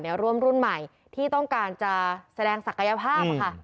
ร่วมรุ่นใหม่ที่ต้องการจะแสดงศักยภาพค่ะ